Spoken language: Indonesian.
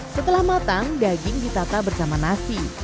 setelah matang daging ditata bersama nasi